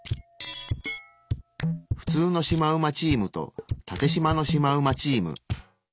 普通のシマウマチームとタテしまのシマウマチーム。